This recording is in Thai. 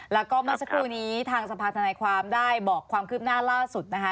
แล้วก็เมื่อสักครู่นี้ทางสภาธนาความได้บอกความคืบหน้าล่าสุดนะคะ